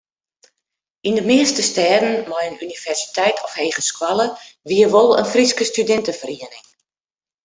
Yn de measte stêden mei in universiteit of hegeskoalle wie wol in Fryske studinteferiening.